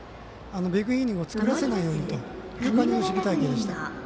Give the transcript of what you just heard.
ビッグイニングを作らせないようにという守備隊形でした。